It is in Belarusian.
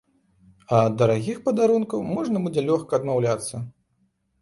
А ад дарагіх падарункаў можна будзе лёгка адмаўляцца.